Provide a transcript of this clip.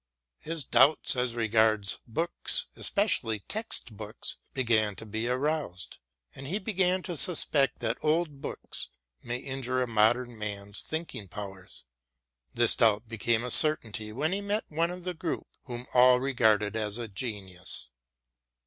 His doubts as regards books, especially text books, began to be aroused, and he began to suspect that old books may injure a modern man's thinking powers. This doubt became a certainty when he met one of the group whom all regarded as a genius.